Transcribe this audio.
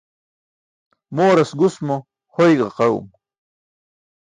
Mooras gus mo hoy ġaqaẏum.